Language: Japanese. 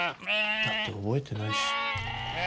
だって覚えてないし。